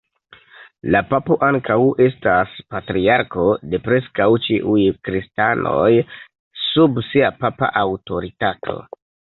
La papo ankaŭ estas patriarko de preskaŭ ĉiuj kristanoj sub sia papa aŭtoritato.